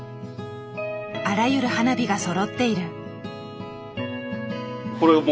あらゆる花火がそろっている。